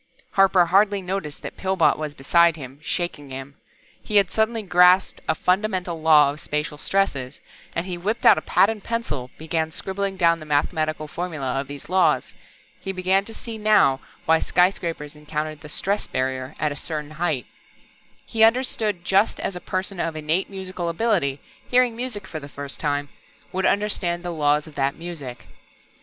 Harper hardly noticed that Pillbot was beside him, shaking him. He had suddenly grasped a fundamental law of spacial stresses, and he whipped out a pad and pencil, began scribbling down the mathematical formula of these laws. He began to see now why skyscrapers encountered the "stress barrier" at a certain height. He understood it just as a person of innate musical ability, hearing music for the first time, would understand the laws of that music.